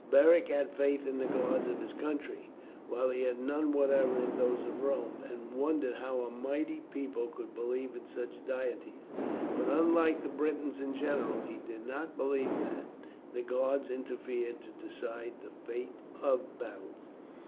Beric had faith in the gods of his country, while he had none whatever in those of Rome, and wondered how a mighty people could believe in such deities; but, unlike the Britons in general, he did not believe that the gods interfered to decide the fate of battles.